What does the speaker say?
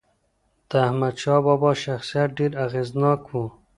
د احمدشاه بابا شخصیت ډېر اغېزناک و.